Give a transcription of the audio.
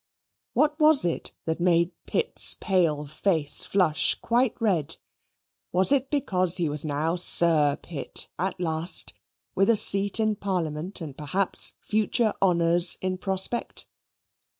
What was it that made Pitt's pale face flush quite red? Was it because he was Sir Pitt at last, with a seat in Parliament, and perhaps future honours in prospect?